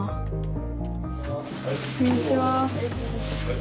こんにちは。